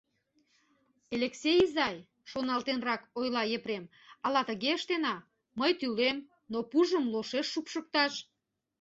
— Элексей изай, — шоналтенрак ойла Епрем, — ала тыге ыштена: мый тӱлем, но пужым лошеш шупшыкташ.